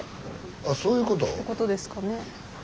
あそういうこと？ということですかね。